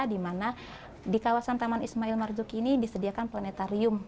di mana di kawasan taman ismail marzuki ini disediakan planetarium